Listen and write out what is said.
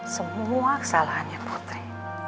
semua kesalahannya putri